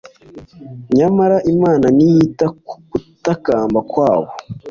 nyamara imana ntiyita ku gutakamba kwabo